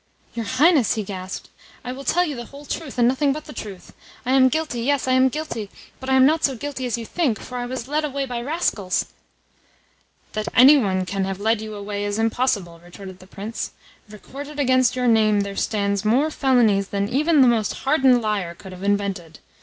"Your Highness," he gasped, "I will tell you the whole truth, and nothing but the truth. I am guilty yes, I am guilty; but I am not so guilty as you think, for I was led away by rascals." "That any one can have led you away is impossible," retorted the Prince. "Recorded against your name there stand more felonies than even the most hardened liar could have invented.